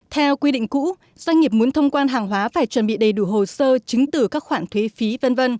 theo quy định cũ doanh nghiệp muốn thông quan hàng hóa phải chuẩn bị đầy đủ hồ sơ chứng tử các khoản thuế phí v v